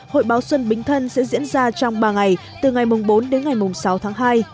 hội báo xuân bính thân sẽ diễn ra trong ba ngày từ ngày bốn đến ngày sáu tháng hai